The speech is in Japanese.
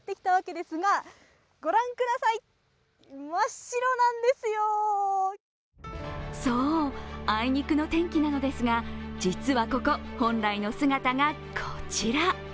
そしてそう、あいにくの天気なのですが実はここ、本来の姿がこちら。